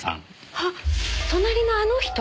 あっ隣のあの人？